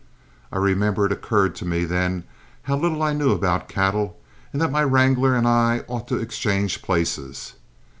I remember it occurred to me, then, how little I knew about cattle, and that my wrangler and I ought to exchange places.